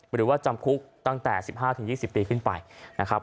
หรือว่าจำคุกตั้งแต่๑๕๒๐ปีขึ้นไปนะครับ